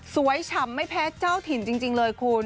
ฉ่ำไม่แพ้เจ้าถิ่นจริงเลยคุณ